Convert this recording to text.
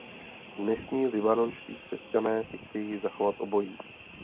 Dnešní libanonští křesťané si chtějí zachovat obojí.